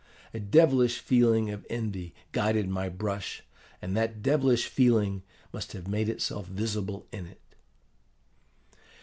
A devilish feeling of envy guided my brush, and that devilish feeling must have made itself visible in it.